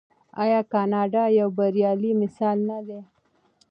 آیا کاناډا یو بریالی مثال نه دی؟